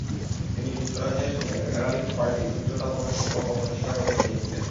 তিনি যুক্তরাজ্যের সঙ্গে ফেডার্যালিস্ট পার্টির মিত্রতাপূর্ণ সম্পর্ক প্রতিষ্ঠা করতে চেয়েছিলেন।